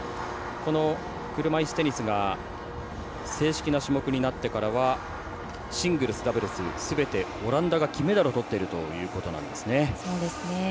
この車いすテニスが正式な種目になってからはシングルス、ダブルスすべてオランダが金メダルをとっているということです。